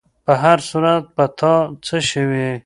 په هر صورت، په تا څه شوي؟